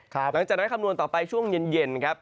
หลังจากนั้นคำนวณต่อไปช่วงเย็นครับ